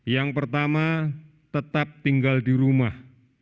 yang pertama tetap tinggal di rumah